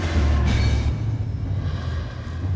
wah tuh pita